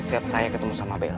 setiap saya ketemu sama bell